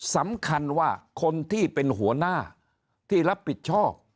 สำคัญว่าคนที่เป็นหัวหน้าที่รับผิดชอบ